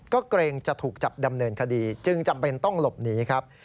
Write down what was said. ก็เกรงจะถูกจับดำเนินคดีจึงจำเป็นต้องหลบหนีครับ